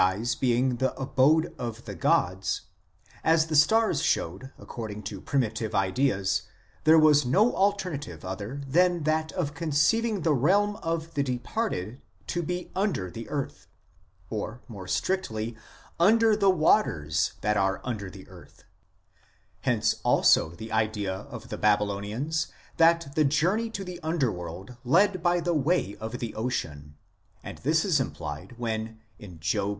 The earth itself being the abode of living men, the skies being the abode of the gods, as the ; showed (according to primitive ideas), there was no alter native other than that of conceiving the realm of the parted to be under the earth ; or, more strictly, under t waters that are under the earth ; hence also the idea of 1 Babylonians that the journey to the underworld led by t way of the ocean ; and this is implied when in Job xxvi.